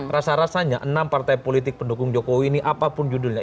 rasa rasanya enam partai politik pendukung jokowi ini apapun judulnya